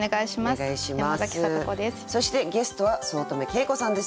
そしてゲストは五月女ケイ子さんです。